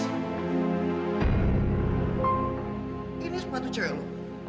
ini sepatu cewek lo